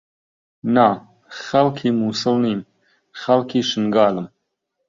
نا، خەڵکی مووسڵ نیم، خەڵکی شنگالم.